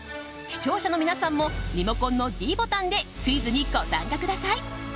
視聴者の皆さんもリモコンのｄボタンでクイズにご参加ください。